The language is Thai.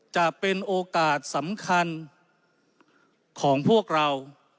จะเป็นโอกาสสำคัญของพวกเรา